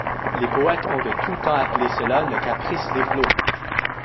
Les poètes ont de tout temps appelé cela le caprice des flots.